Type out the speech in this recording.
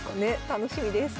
楽しみです。